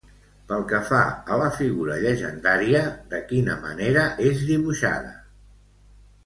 Pel que fa a la figura llegendària, de quina manera és dibuixada?